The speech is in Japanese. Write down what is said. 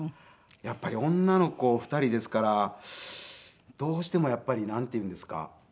やっぱり女の子２人ですからどうしてもやっぱりなんていうんですか。